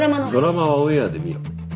ドラマはオンエアで見ろ。